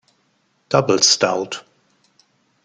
Double Stout".